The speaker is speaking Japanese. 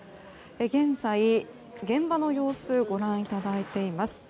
現在、現場の様子をご覧いただいています。